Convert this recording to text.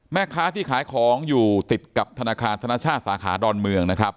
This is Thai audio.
แม่ค้าที่ขายของอยู่ติดกับธนาคารธนชาติสาขาดอนเมืองนะครับ